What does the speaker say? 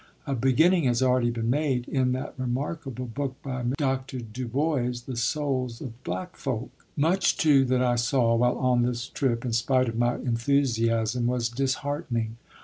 A beginning has already been made in that remarkable book by Dr. Du Bois, The Souls of Black Folk. Much, too, that I saw while on this trip, in spite of my enthusiasm, was disheartening.